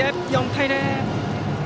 ４対０。